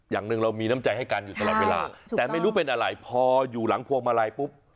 อย่างหนึ่งเรามีน้ำใจให้กันอยู่ตลอดเวลาแต่ไม่รู้เป็นอะไรพออยู่หลังพวงมาลัยปุ๊บ